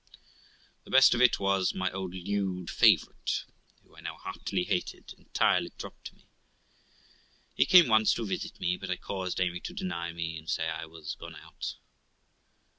The best of it was, my old lewd favourite, who I now heartily hated, entirely dropped me. He came once to visit me, but I caused Amy to 316 THE LIFE OF ROXANA deny me, and say I was gone out.